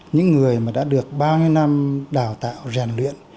những người mà đã được bao nhiêu năm đào tạo rèn luyện